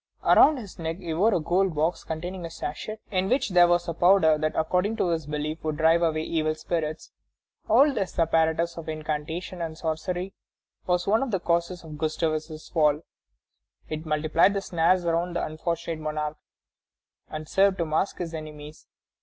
Around his neck he wore a gold box containing a sachet in which there was a powder that, according to his belief, would drive away evil spirits. All this apparatus of incantation and sorcery was one of the causes of Gustavus's fall. It multiplied the snares around the unfortunate monarch, and served to mask his enemies.